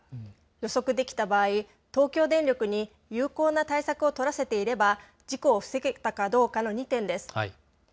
予測できた場合、東京電力に有効な対策を取らせていれば事故を防げたかどうかの２点です。